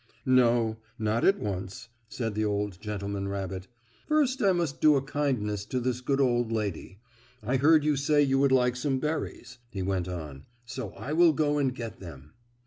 "No, not at once," said the old gentleman rabbit. "First I must do a kindness to this good old lady. I heard you say you would like some berries," he went on, "so I will go and get them."